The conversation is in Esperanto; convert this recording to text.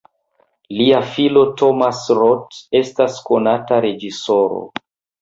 Lia filo Thomas Roth estas konata reĝisoro.